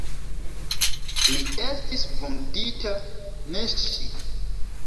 Li estis vundita, ne ŝi.